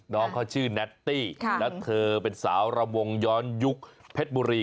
น้องเขาชื่อแนตตี้แล้วเธอเป็นสาวรำวงย้อนยุคเพชรบุรี